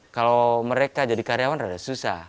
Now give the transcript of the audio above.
kalau mereka jadi karyawan ada susah